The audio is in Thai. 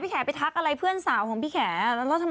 พี่แข่เป็นใช่อะไรเพื่อนสาวที่ไม่จัดมา